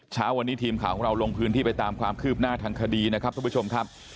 เช้าวันนี้ทีมข่าวของเราลงพื้นที่ไปตามความคืบหน้าทางคดีนะครับทุกผู้ชมครับ